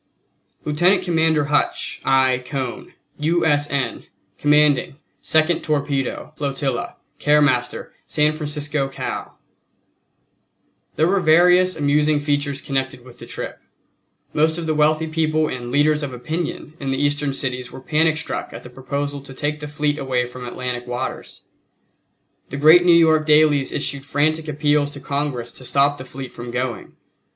LIEUTENANT COMMANDER HUTCH. I. CONE, U. S. N., Commanding Second Torpedo Flotilla, Care Postmaster, San Francisco, Cal. There were various amusing features connected with the trip. Most of the wealthy people and "leaders of opinion" in the Eastern cities were panic struck at the proposal to take the fleet away from Atlantic waters. The great New York dailies issued frantic appeals to Congress to stop the fleet from going.